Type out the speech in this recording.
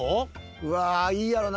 うわーいいやろな。